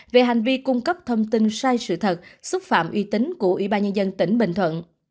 về hành vi cung cấp thông tin sai sự thật xúc phạm uy tín của ủy ban nhân dân tỉnh bình thuận